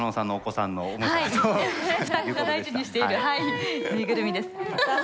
双子が大事にしている縫いぐるみです。